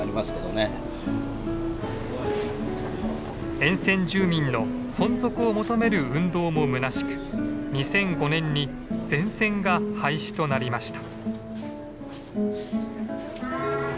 沿線住民の存続を求める運動もむなしく２００５年に全線が廃止となりました。